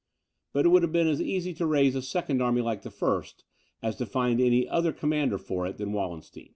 But it would have been as easy to raise a second army like the first, as to find any other commander for it than Wallenstein.